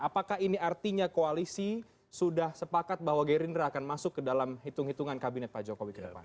apakah ini artinya koalisi sudah sepakat bahwa gerindra akan masuk ke dalam hitung hitungan kabinet pak jokowi ke depan